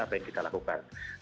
apa yang kita lakukan